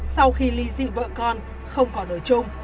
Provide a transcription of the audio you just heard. sau khi ly dị vợ con không có nợ chống